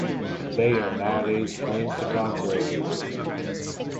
Bayer nowadays claims the contrary.